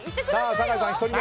酒井さん、１人目。